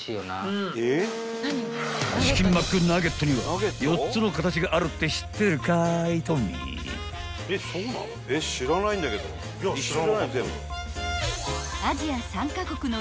［チキンマックナゲットには４つの形があるって知ってるかいトミー］一緒じゃないの？